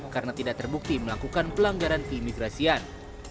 karena tidak terbukti melakukan pelanggaran keimigrasian